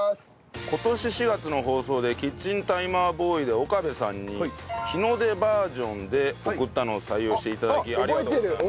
今年４月の放送でキッチンタイマーボーイで岡部さんに日の出バージョンで送ったのを採用して頂きありがとうございます。